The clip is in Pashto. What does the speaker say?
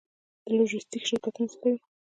د لوژستیک شرکتونه څه کوي؟